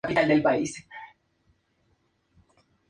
En la mandíbula hay al menos diez pares de dientes, quizás doce.